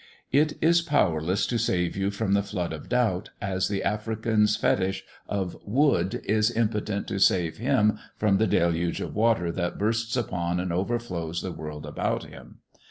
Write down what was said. It is as powerless to save you from that flood of doubt as the African's fetich of wood is impotent to save him from the deluge of water that bursts upon and overflows the world about him.